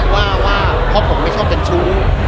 ว่าเพราะผมไม่ชอบเป็นชู้